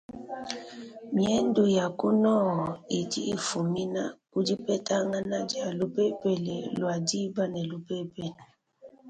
Miendu ya ku nord idi ifumina ku dipetangana dia lupepele lua dîba ne lupepele.